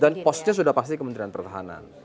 dan postnya sudah pasti kementerian pertahanan